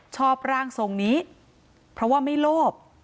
ชอบร่างทรงนี้เพราะว่าไม่โลภ